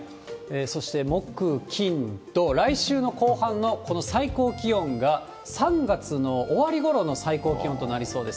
そして木、金、土、来週の後半の最高気温が３月の終わりごろの最高気温となりそうです。